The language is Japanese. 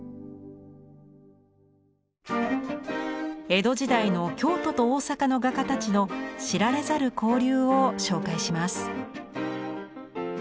江戸時代の京都と大坂の画家たちの知られざる交流を紹介します。